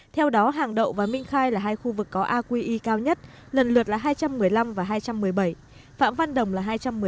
theo đó hàng đậu và minh khai là hai khu vực có aqi cao nhất lần lượt là hai trăm một mươi năm và hai trăm một mươi bảy phạm văn đồng là hai trăm một mươi hai